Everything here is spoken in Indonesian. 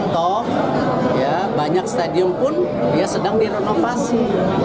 toh banyak stadion pun sedang direnovasi